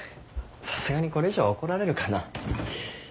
さすがにこれ以上は怒られるかな。